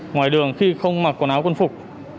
ngoài đường khi không mặc quần áo quân phục